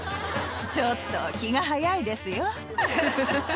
ちょっと気が早いですよ。